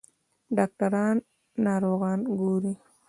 ډاکټر ناروغان ګوري.